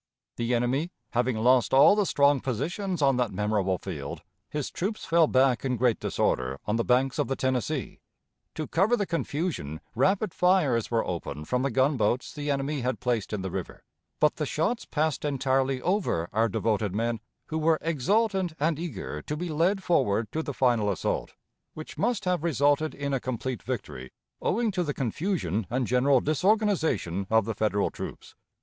The enemy having lost all the strong positions on that memorable field, his troops fell back in great disorder on the banks of the Tennessee. To cover the confusion, rapid fires were opened from the gunboats the enemy had placed in the river; but the shots passed entirely over our devoted men, who were exultant and eager to be led forward to the final assault, which must have resulted in a complete victory, owing to the confusion and general disorganization of the Federal troops.